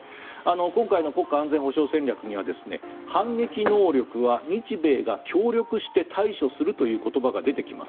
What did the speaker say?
今回の国家安全保障戦略には反撃能力は日米が協力して対処するという言葉が出てきます。